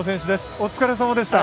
お疲れさまでした。